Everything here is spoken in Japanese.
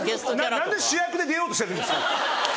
何で主役で出ようとしてるんですか？